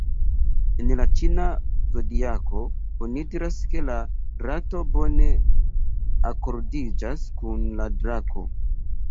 En la ĉina zodiako oni diras, ke la rato bone akordiĝas kun la drako.